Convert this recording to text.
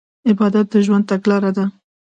عبادت د ژوند تګلاره ده.